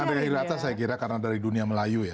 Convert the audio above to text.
andrea hirata saya kira karena dari dunia melayu ya